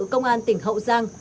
công an tỉnh hậu giang